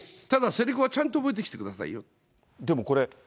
ただ、せりふはちゃんと覚えてきてくださいよと。